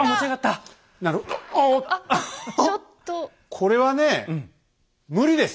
これはね無理です。